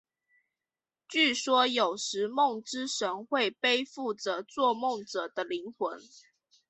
据说有时梦之神会背负着做梦者的灵魂。